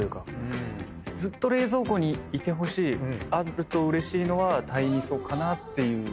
ずっと冷蔵庫にいてほしいあるとうれしいのは鯛味噌かなっていう考え方。